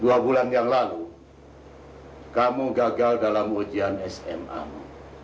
dua bulan yang lalu kamu gagal dalam ujian smamu